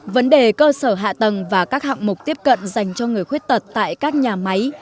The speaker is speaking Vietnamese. vấn đề cơ sở hạ tầng và các hạng mục tiếp cận dành cho người khuyết tật tại các nhà máy